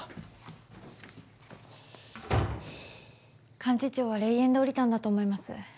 幹事長は霊園で降りたんだと思います。